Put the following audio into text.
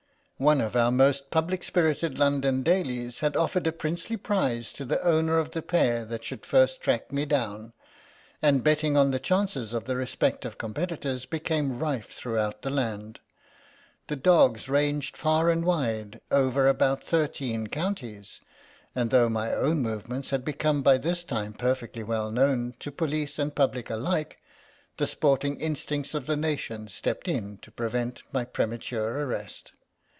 One of our most public spirited London dailies had offered a princely prize to the owner of the pair that should first track me down, and betting on the chances of the respective competitors became rife throughout the land. The dogs ranged far and wide over about thirteen counties, and though my own movements had become by this time perfectly well known to police and public alike, the sporting in stincts of the nation stepped in to prevent 20 THE LOST SANJAK my premature arrest.